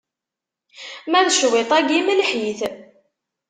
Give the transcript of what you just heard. Ma d cwiṭ-agi, melleḥ-it!